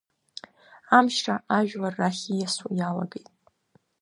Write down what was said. Амчра ажәлар рахь ииасуа иалагеит…